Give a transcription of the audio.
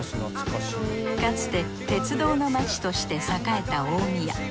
かつて鉄道の街として栄えた大宮。